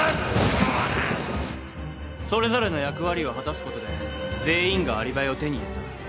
それぞれの役割を果たすことで全員がアリバイを手に入れた。